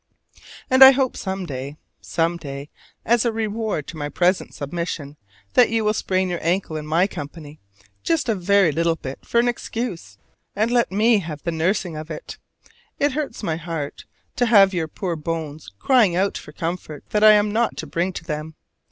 And I hope some day, some day, as a reward to my present submission, that you will sprain your ankle in my company (just a very little bit for an excuse) and let me have the nursing of it! It hurts my heart to have your poor bones crying out for comfort that I am not to bring to them.